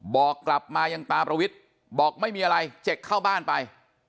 บอกกลับมายังตาประวิทย์บอกไม่มีอะไรเจ็กเข้าบ้านไป